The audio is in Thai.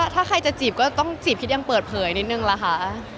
ถ้าใครจะจีบก็ต้องจีบคิดยังเปิดเผยนิดนึงล่ะคะ